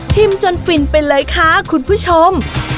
จนฟินไปเลยค่ะคุณผู้ชม